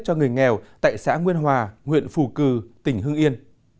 cho người nghèo tại xã nguyên hòa huyện phù cử tỉnh hưng yên